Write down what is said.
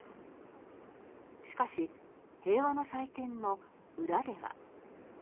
しかし、平和の祭典の裏では。